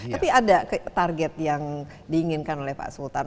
tapi ada target yang diinginkan oleh pak sultan